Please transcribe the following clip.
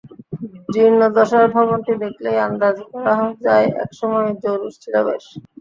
জীর্ণ দশার ভবনটি দেখলেই আন্দাজ করা যায়, একসময় জৌলুশ ছিল বেশ।